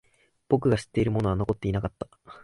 僕が知っているものは残っていなかった。